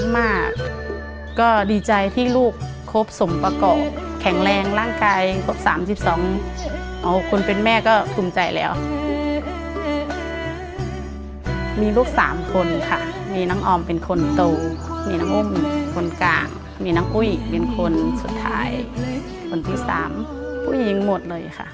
มีน้องผู้หญิงเป็นคนสุดท้ายคนที่สามผู้หญิงหมดเลยค่ะ